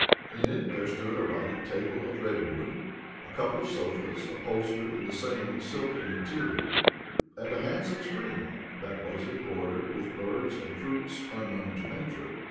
In it there stood a writing table of redwood, a couple of sofas, upholstered in some silken material, and a handsome screen that was embroidered with birds and fruits unknown to Nature.